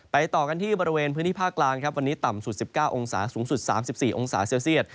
ต่อกันที่บริเวณพื้นที่ภาคกลางครับวันนี้ต่ำสุด๑๙องศาสูงสุด๓๔องศาเซลเซียต